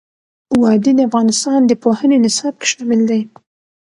وادي د افغانستان د پوهنې نصاب کې شامل دي.